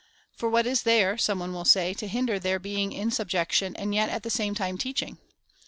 " For what is there," some one will say, " to hinder their being in sub jection, and yet at the same time teaching?"